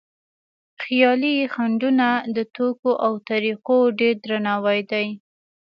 خیالي خنډونه د توکو او طریقو ډېر درناوی دی.